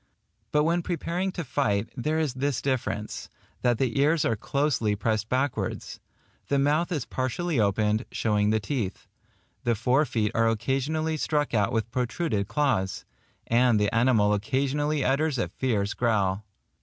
But when preparing to fight, there is this difference, that the ears are closely pressed backwards; the mouth is partially opened, showing the teeth; the fore feet are occasionally struck out with protruded claws; and the animal occasionally utters a fierce growl.